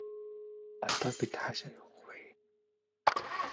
Одоо бид хаашаа явах вэ?